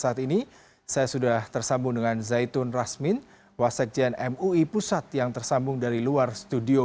saat ini saya sudah tersambung dengan zaitun rasmin wasekjen mui pusat yang tersambung dari luar studio